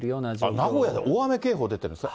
名古屋で大雨警報出てるんですか。